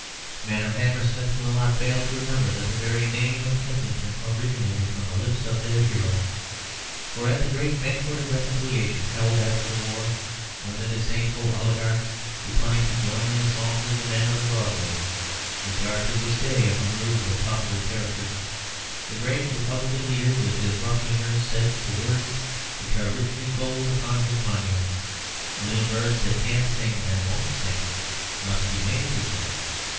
Men of Hammersmith will not fail to remember that the very name of Kensington originated from the lips of their hero. For at the great banquet of reconciliation held after the war, when the disdainful oligarchs declined to join in the songs of the men of the Broadway (which are to this day of a rude and popular character), the great Republican leader, with his rough humour, said the words which are written in gold upon his monument, 'Little birds that can sing and won't sing, must be made to sing.'